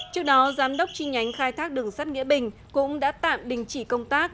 trước đó giám đốc chi nhánh khai thác đường sắt nghĩa bình cũng đã tạm đình chỉ công tác